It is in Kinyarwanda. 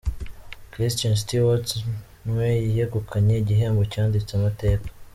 Kristen Stewart nwe yegukanye igihembo cyanditse amateka...